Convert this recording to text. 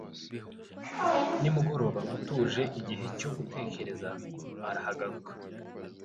nimugoroba utuje igihe cyo gutekereza arahaguruka